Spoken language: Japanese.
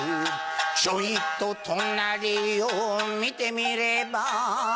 ちょいと隣を見てみれば